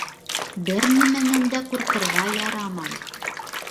Бер нәмәнән дә ҡурҡырға ярамай.